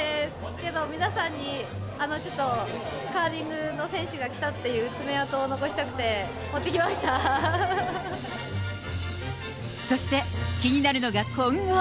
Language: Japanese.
けど皆さんにちょっとカーリングの選手が来たっていう爪痕を残しそして、気になるのが今後。